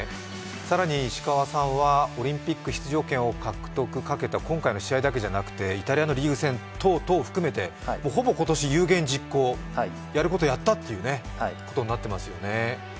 更に石川さんはオリンピック出場だけではなくイタリアのリーグ戦等々含めてほぼ今年、有言実行、やることやったっていうことになってますよね